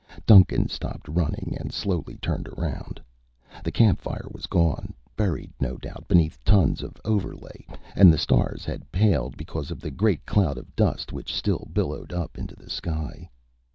Duncan stopped running and slowly turned around. The campfire was gone, buried, no doubt, beneath tons of overlay, and the stars had paled because of the great cloud of dust which still billowed up into the sky.